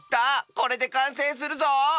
これでかんせいするぞ！